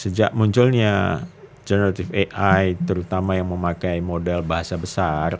sejak munculnya generatif ai terutama yang memakai model bahasa besar